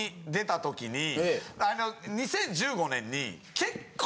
２０１５年に。